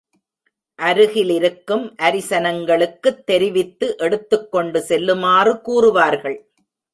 அருகிலிருக்கும் அரிசனங்களுக்குத் தெரிவித்து எடுத்துக்கொண்டு செல்லுமாறு கூறுவார்கள்.